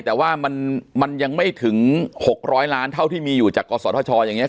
แต่ว่ามันมันยังไม่ถึงหกร้อยล้านเท่าที่มีอยู่จากกสธชอย่างเงี้ย